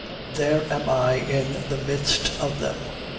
There am I in the midst of them.